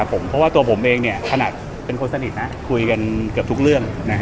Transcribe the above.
เพราะว่าตัวผมเองถนัดเป็นคนสนิทนะคุยกันเกือบทุกเรื่อง